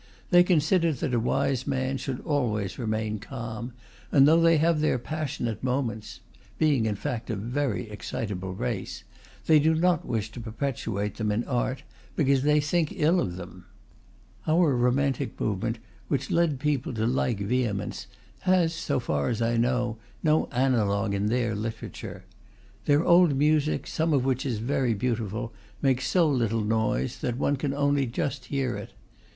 They consider that a wise man should always remain calm, and though they have their passionate moments (being in fact a very excitable race), they do not wish to perpetuate them in art, because they think ill of them. Our romantic movement, which led people to like vehemence, has, so far as I know, no analogue in their literature. Their old music, some of which is very beautiful, makes so little noise that one can only just hear it.